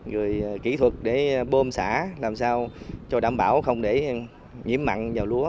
rồi kỹ thuật để bơm xả làm sao cho đảm bảo không để nhiễm mặn vào lúa